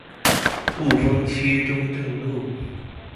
霧峰區中正路